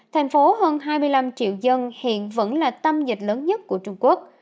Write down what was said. thành phố hơn hai mươi năm triệu dân hiện vẫn là tâm dịch lớn nhất của trung quốc